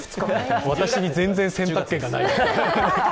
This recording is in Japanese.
私に全然、選択権がない。